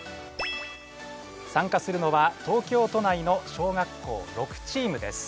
さんかするのは東京都内の小学校６チームです。